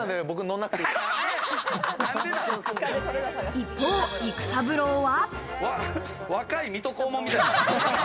一方、育三郎は。